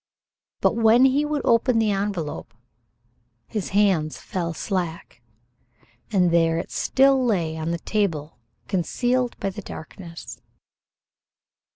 But when he would open the envelope, his hands fell slack, and there it still lay on the table concealed by the darkness.